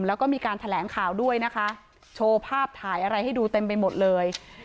แล้วก็มีการแถลงข่าวด้วยนะคะโชว์ภาพถ่ายอะไรให้ดูเต็มไปหมดเลย